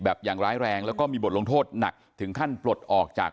อย่างร้ายแรงแล้วก็มีบทลงโทษหนักถึงขั้นปลดออกจาก